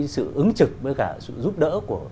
sự ứng trực với sự giúp đỡ của